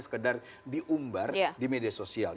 sekedar diumbar di media sosial